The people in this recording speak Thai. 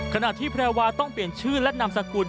ขณะที่แพรวาต้องเปลี่ยนชื่อและนามสกุล